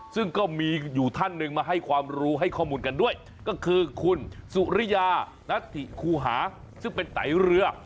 ซึ่งก็มีอยู่ท่านหนึ่งมาให้ความรู้ให้ข้อมูลกันด้วยก็คือคุณสุริยานัทธิคูหาซึ่งเป็นไตเรือ